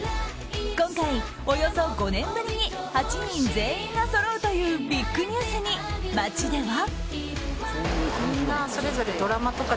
今回およそ５年ぶりに８人全員がそろうというビッグニュースに、街では。